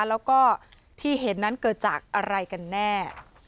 แล้วก็ที่เห็นนั้นเกิดจากอะไรกันแน่